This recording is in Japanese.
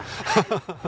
ハハハハ！